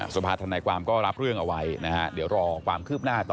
สภาธนาความก็รับเรื่องเอาไว้นะฮะเดี๋ยวรอความคืบหน้าต่อ